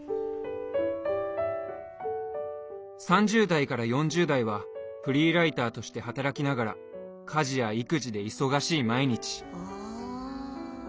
３０代から４０代はフリーライターとして働きながら家事や育児で忙しい毎日。